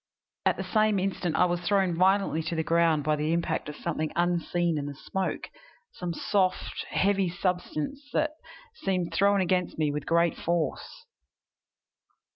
At the same instant I was thrown violently to the ground by the impact of something unseen in the smoke some soft, heavy substance that seemed thrown against me with great force.